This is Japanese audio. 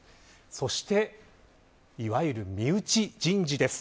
そして、いわゆる身内人事です。